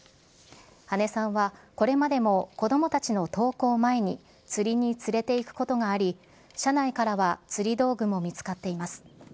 羽根さんはこれまでも子どもたちの登校前に釣りに連れていくことがあり、車内からは釣り道具も見つかっています。